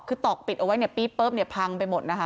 คือตอกปิดเอาไว้เนี่ยปี๊บเนี่ยพังไปหมดนะคะ